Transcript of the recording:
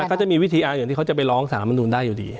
ใช่ก็จะมีวิธีอ่านอย่างที่เขาจะไปร้องสหรับมนุษย์ได้อยู่ดี